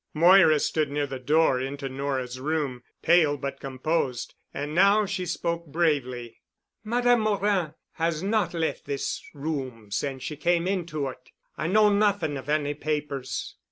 Moira stood near the door into Nora's room, pale but composed. And now she spoke bravely. "Madame Morin has not left this room since she came into it. I know nothing of any papers."